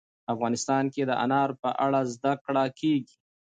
افغانستان کې د انار په اړه زده کړه کېږي.